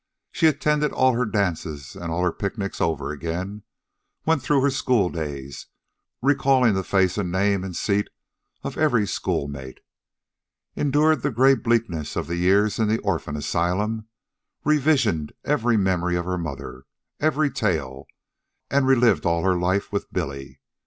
She attended all her dances and all her picnics over again; went through her school days, recalling the face and name and seat of every schoolmate; endured the gray bleakness of the years in the orphan asylum; revisioned every memory of her mother, every tale; and relived all her life with Billy.